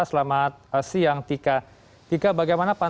selamat siang tika